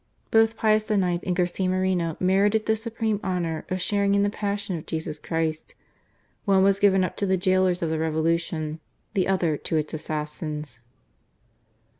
Both Pius IX. and Garcia Moreno merited the supreme honour of sharing in the Passion of Jesus Christ. One was given up to the jailors of the Revolution : the other to its assassins.